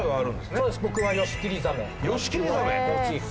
そうです